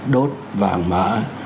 đốt vàng mã